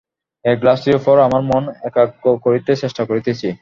এই গ্লাসটির উপর আমার মন একাগ্র করিতে চেষ্টা করিতেছি।